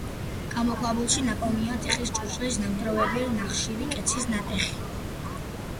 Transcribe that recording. გამოქვაბულში ნაპოვნია თიხის ჭურჭლის ნამტვრევები, ნახშირი, კეცის ნატეხი.